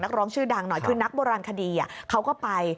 ร้องชื่อดังหน่อยคือนักโบราณคดีเขาก็ไป